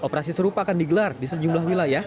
operasi serupa akan digelar di sejumlah wilayah